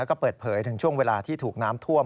ก็เปิดเผยถึงช่วงเวลาที่ถูกน้ำท่วม